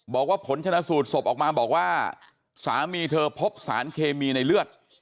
บอกว่าผลชนะสูตรศพออกมาบอกว่าสามีเธอพบสารเคมีในเลือด